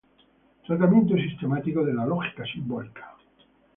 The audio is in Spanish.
Tratamiento sistemático de la lógica simbólica.